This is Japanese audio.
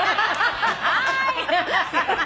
はい！